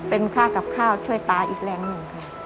เป็นค่ากับข้าวช่วยตาอีกแรงหนึ่งค่ะ